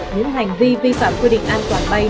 những hành vi vi phạm quy định an toàn bay